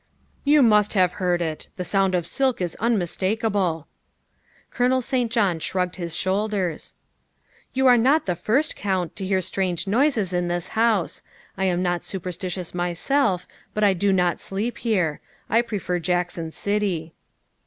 " You must have heard it. The sound of silk is un mistakable. '' Colonel St. John shrugged his shoulders. " You are not the first, Count, to hear strange noises in this house. I am not superstitious myself, but I do not sleep here. I prefer Jackson City."